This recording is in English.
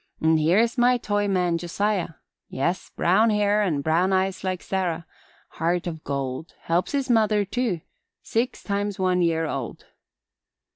Here's my toy man Josiah yes, brown hair and brown eyes like Sarah heart o' gold helps his mother, too six times one year old."